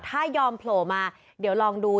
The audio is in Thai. ถ้ายอมโผล่มาเดี๋ยวลองดู